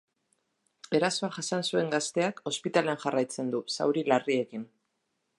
Erasoa jasan zuen gazteak ospitalean jarraitzen du, zauri larriekin.